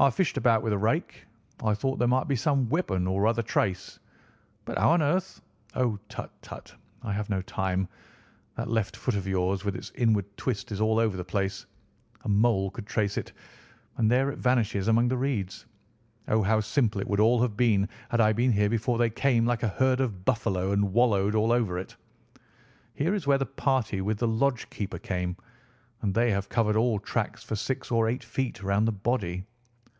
"I fished about with a rake. I thought there might be some weapon or other trace. But how on earth—" "Oh, tut, tut! I have no time! That left foot of yours with its inward twist is all over the place. A mole could trace it, and there it vanishes among the reeds. Oh, how simple it would all have been had I been here before they came like a herd of buffalo and wallowed all over it. Here is where the party with the lodge keeper came, and they have covered all tracks for six or eight feet round the body.